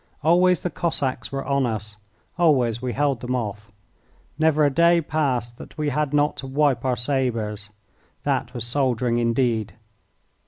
Always the Cossacks were on us. Always we held them off. Never a day passed that we had not to wipe our sabres. That was soldiering indeed.